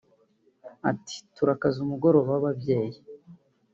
Ati “Turakaza umugoroba w’ababyeyi